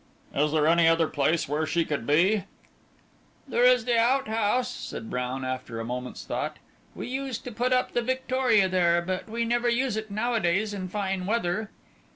"Is there any other place where she could be?" "There is the outhouse," said Brown, after a moment's thought; "we used to put up the victoria there, but we never use it nowadays in fine weather."